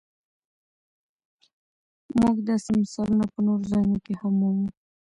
موږ داسې مثالونه په نورو ځایونو کې هم مومو.